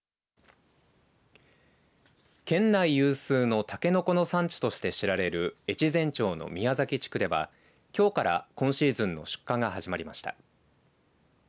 県内有数のたけのこの産地として知られる越前町の宮崎地区ではきょうから今シーズンの出荷が始まりました。